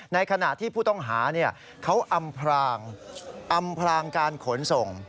ในขณะที่ผู้ต้องหาเขาอำพลางการขนส่ง